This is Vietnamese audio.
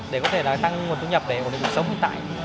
để có thể là tăng nguồn thu nhập để có thể sống hiện tại